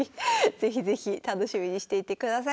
是非是非楽しみにしていてください。